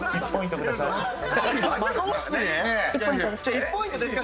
「１ポイントですか？」